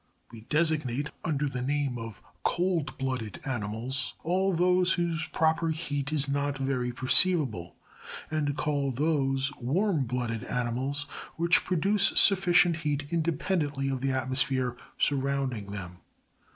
40. We designate under the name of cold blooded animals, all those whose proper heat is not very perceivable, and call those Lioodt U animal's which produce sufficient heat independently of the atmosphere surrounding them.